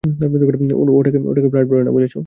ওটাকে ফ্লার্ট বলে না, বুঝেছো?